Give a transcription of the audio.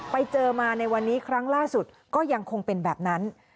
ไปเจอมาในวันนี้ครั้งล่าสุดก็ยังคงเป็นแบบนั้น